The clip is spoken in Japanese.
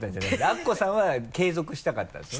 アッコさんは継続したかったんですね？